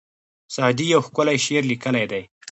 سعدي یو ښکلی شعر لیکلی دی.